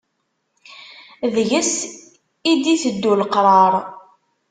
Deg-s i d-iteddu leqrar.